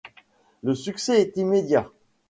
Le succès est immédiat.